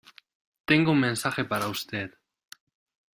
tengo un mensaje para usted